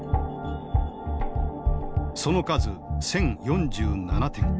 その数１，０４７点。